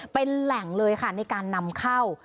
เป็นแหล่งเลยค่ะในการนำเข้า